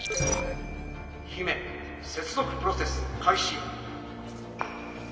「姫接続プロセス開始」。